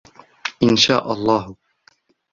إن شاء الله...